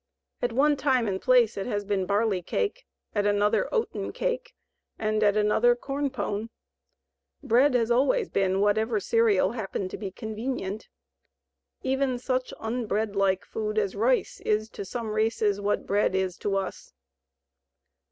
At one time and place it has been barley cake, at another oaten cake, and at another corn pone. Bread has always been whatever cereal happened to be convenient. Even such unbreadlike food as rice is to some races what bread is to us.